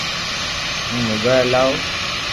ھون موبائل ھلاو